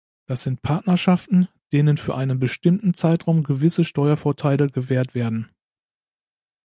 Das sind Partnerschaften, denen für einen bestimmten Zeitraum gewisse Steuervorteile gewährt werden.